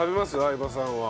相葉さんは。